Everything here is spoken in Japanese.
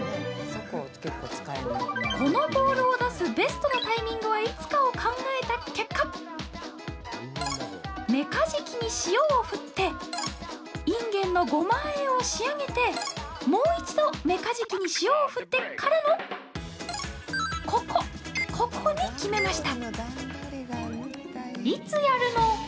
このボウルを出すベストなタイミングはいつかを考えた結果メカジキに塩を振っていんげんのゴマあえを仕上げてもう一度メカジキに塩を振ってからのここ、ここに決めました！